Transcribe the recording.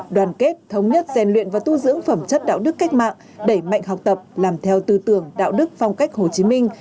đoàn kết thống nhất rèn luyện và tu dưỡng phẩm chất đạo đức cách mạng đẩy mạnh học tập làm theo tư tưởng đạo đức phong cách hồ chí minh